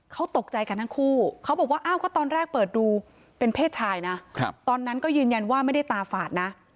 เขาตกใจกันทั้งคู่เขาบอกว่าอ้าวก็ตอนแรกเปิดดูเป็นเพศชายนะตอนนั้นก็ยืนยันว่าไม่ได้ตาฝาดนะ